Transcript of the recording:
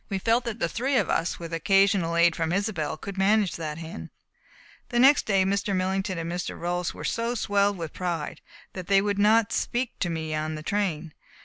We felt that the three of us, with occasional aid from Isobel, could manage that hen. The next day Mr. Millington and Mr. Rolfs were so swelled with pride that they would not speak to me on the train.